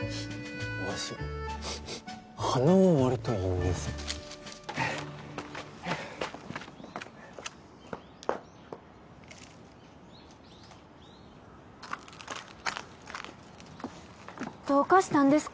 わし鼻は割といいんですどうかしたんですか？